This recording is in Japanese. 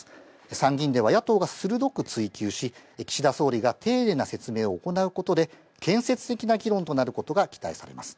参議院では、野党が鋭く追及し、岸田総理が丁寧な説明を行うことで、建設的な議論となることが期待されます。